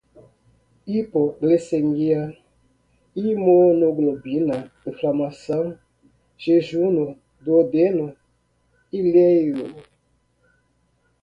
hepatite, hiperglicemia, hipoglicemia, imunoglobulina, inflamação, jejuno, duodeno, íleo, intestino